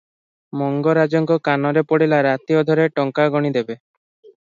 ମଙ୍ଗରାଜଙ୍କ କାନରେ ପଡ଼ିଲେ ରାତି ଅଧରେ ଟଙ୍କା ଗଣି ଦେବେ ।